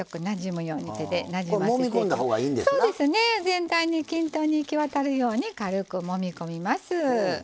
全体に均等に行き渡るように軽くもみ込みます。